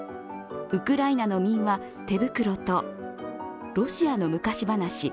ウクライナの民話「てぶくろ」とロシアの昔話